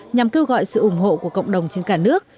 nhằm kêu gọi sự ủng hộ của cộng đồng trên cả nước